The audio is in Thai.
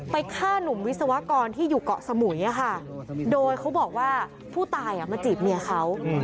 ฆ่าหนุ่มวิศวกรที่อยู่เกาะสมุยค่ะโดยเขาบอกว่าผู้ตายมาจีบเมียเขา